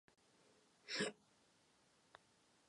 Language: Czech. Alespoň na tom jsme se doposud vždy shodli.